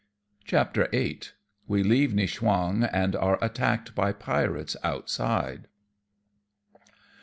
CHAPTER VIII. WE LEAVE NIEWCHWANQ AND ARE ATTACKED BY PIRATES OUTSIDE.